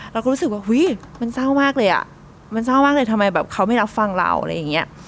เราก็รู้สึกว่าอุ้ยมันเศร้ามากเลยอ่ะมันเศร้ามากเลยทำไมแบบเขาไม่รับฟังเราอะไรอย่างเงี้ย